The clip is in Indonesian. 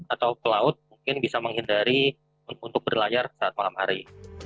atau ke laut mungkin bisa menghindari untuk berlayar saat malam hari